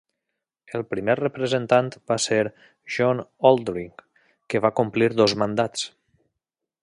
El primer representant va ser John Oldring, que va complir dos mandats.